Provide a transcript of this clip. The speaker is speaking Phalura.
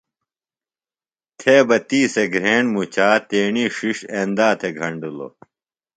تھے بہ تی سےۡ گھِرینڈ مُچا تیݨی ݜݜ اندا تھےۡ گھنڈِلوۡ